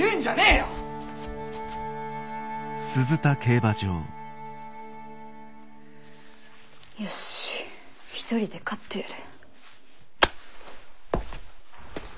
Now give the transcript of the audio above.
よし１人で勝ってやる。